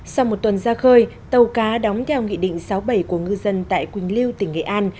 sau một tuần ra khơi tàu cá đóng theo nghị định sáu bảy của ngư dân tại quỳnh lưu tỉnh nghệ an